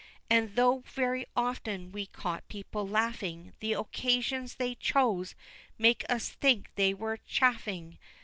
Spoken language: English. And though very often we caught people laughing, The occasions they chose made us think they were chaffing.